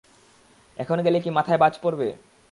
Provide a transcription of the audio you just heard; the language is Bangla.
এখন গেলে কি মাথায় বাজ পড়বে?